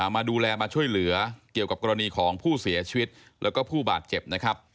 มาดูแลมาช่วยเหลือเกี่ยวกับกรณีของผู้เสียชีวิตแล้วก็ผู้บาดเจ็บนะครับ